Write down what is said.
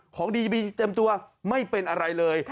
ของดีมีเต็มตัวไม่เป็นอะไรเลย